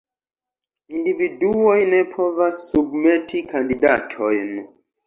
Individuoj ne povas submeti kandidatojn.